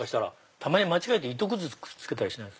たまに間違えて糸くずくっつけたりしない？